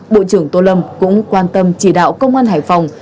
bộ trưởng tô lâm cũng quan tâm chỉ đạo công an hải phòng